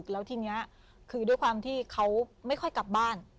แล้วทีนี้คือด้วยความที่เขาไม่ค่อยกลับบ้าน